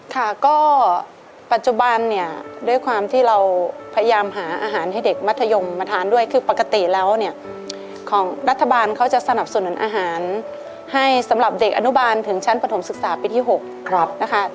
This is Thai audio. ค่ะก็ปัจจุบันเนี่ยด้วยความที่เราพยายามหาอาหารให้เด็กมัธยมมาทานด้วยคือปกติแล้วเนี่ยของรัฐบาลเขาจะสนับสนุนอาหารให้สำหรับเด็กอนุบาลถึงชั้นปฐมศึกษาปีที่๖นะคะ